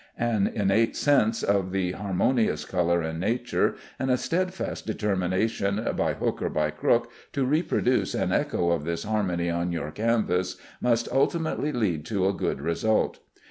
An innate sense of the harmonious color in nature, and a steadfast determination, by hook or by crook, to reproduce an echo of this harmony on your canvas, must ultimately lead to a good result.